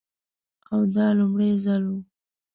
او دا لومړی ځل و.